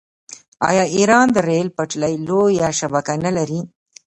آیا ایران د ریل پټلۍ لویه شبکه نلري؟